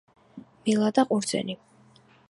მელა და ყურძენი